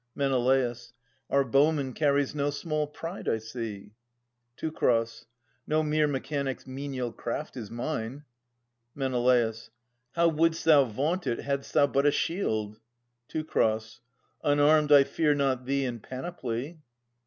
Men. Our bowman carries no small pride, I see. Teu. No mere mechanic's menial craft is mine. Men. How wouldst thou vaunt it hadst thou but a shield ! Teu. Unarmed I fear not thee in panoply.